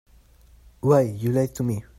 Why, you lied to me.